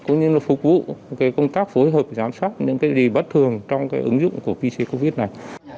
cũng như là phục vụ cái công tác phối hợp giám sát những cái gì bất thường trong cái ứng dụng của pc covid này